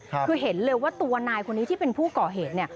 คือเห็นเลยว่าตัวนายคนนี้ที่เป็นผู้ก่อเหตุเนี่ย